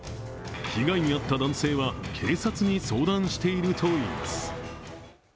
被害に遭った男性は警察に相談しているといいます。